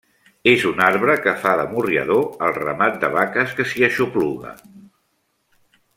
És un arbre que fa d'amorriador al ramat de vaques, que s'hi aixopluga.